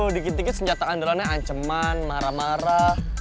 dikit dikit senjata andalannya ancaman marah marah